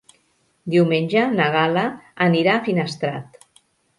Diumenge na Gal·la anirà a Finestrat.